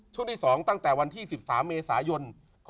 ช่วงที่๒ตั้งแต่วันที่๑๓เมษายน